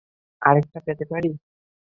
আরেকটা পেতে পারি?